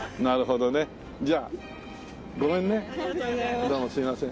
どうもすいません。